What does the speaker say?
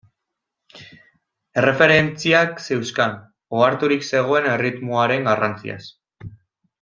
Erreferentziak zeuzkan, oharturik zegoen erritmoaren garrantziaz.